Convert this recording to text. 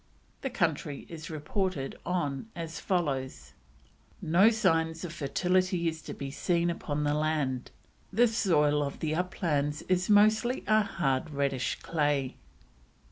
The country is reported on as follows: "No signs of fertility is to be seen upon the Land; the soil of the uplands is mostly a hard, reddish clay."